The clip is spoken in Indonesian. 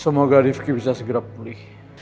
semoga rifqi bisa segera pulih